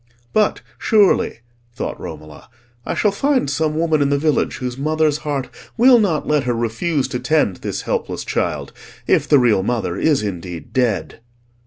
"But, surely," thought Romola, "I shall find some woman in the village whose mother's heart will not let her refuse to tend this helpless child—if the real mother is indeed dead."